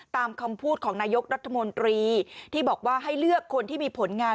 ตามคำพูดของนายกรัฐมนตรีที่บอกว่าให้เลือกคนที่มีผลงาน